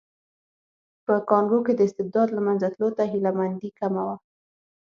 په کانګو کې د استبداد له منځه تلو ته هیله مندي کمه وه.